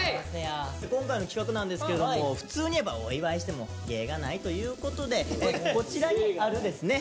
今回の企画なんですけれども普通にお祝いしても芸がないということでこちらにあるですね